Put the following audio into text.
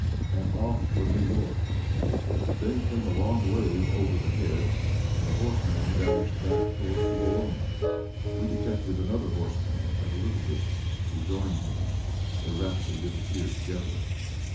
Am off for New York." Then came a long wave over the head, and the horseman dashed back toward Lorona. We detected another horseman at a little distance, who joined him; they rapidly disappeared together.